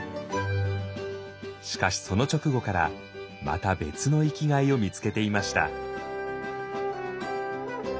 しかしその直後からまた別の生きがいを見つけていました。